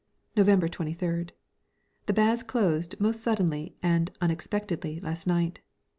November 23rd. The baths closed most suddenly and unexpectedly last night.